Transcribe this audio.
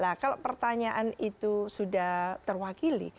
nah kalau pertanyaan itu sudah terwakili